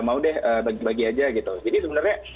mau deh bagi bagi aja gitu jadi sebenarnya